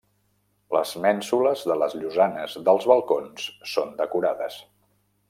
Les mènsules de les llosanes dels balcons són decorades.